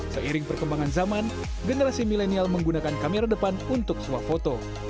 seiring perkembangan zaman generasi milenial menggunakan kamera depan untuk swafoto